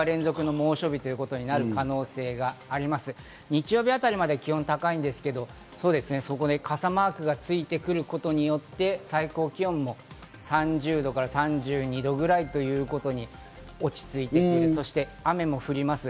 日曜日あたりまで気温が高いんですけど、そうですね、ここで傘マークがついてくることによって、最高気温も３０度から３２度ぐらいということに落ち着いて、雨も降ります。